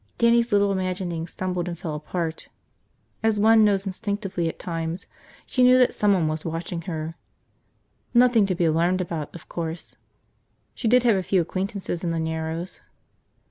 Dannie's little imaginings stumbled and fell apart. As one knows instinctively at times, she knew that someone was watching her. Nothing to be alarmed about, of course. She did have a few acquaintances in the Narrows.